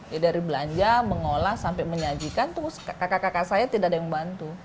ya dari belanja mengolah sampai menyajikan tuh kakak kakak saya tidak ada yang bantu